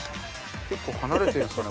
結構離れてるんですかね